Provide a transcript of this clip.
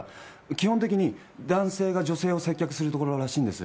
基本的に男性が女性を接客するところらしいんです。